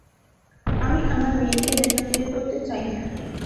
আমি আমার মেয়েকে দেশান্তরী করতে চাই না।